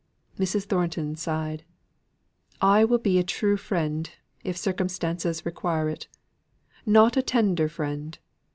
Mrs. Thornton sighed, "I will be a true friend, if circumstances require it. Not a tender friend.